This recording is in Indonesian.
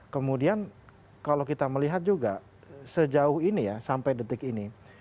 kemudian kalau kita melihat juga sejauh ini ya sampai detik ini